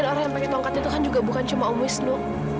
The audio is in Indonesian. orang yang pakai tongkat itu kan juga bukan cuma om wisnu